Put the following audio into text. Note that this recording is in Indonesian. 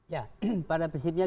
ya pada prinsipnya